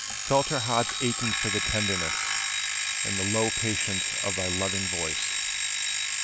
Felt her heart's aching for the tenderness And the low patience of thy loving voice?